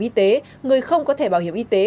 y tế người không có thẻ bảo hiểm y tế